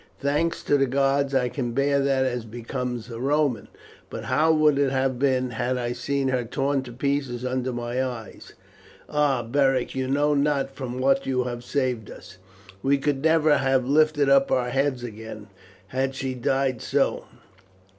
Thanks to the gods I can bear that as becomes a Roman; but how would it have been had I seen her torn to pieces under my eyes? Ah, Beric you know not from what you have saved us! We could never have lifted up our heads again had she died so.